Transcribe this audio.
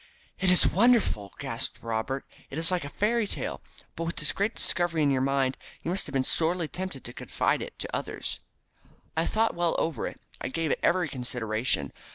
"It is wonderful!" gasped Robert. "It is like a fairy tale. But with this great discovery in your mind you must have been sorely tempted to confide it to others." "I thought well over it. I gave it every consideration.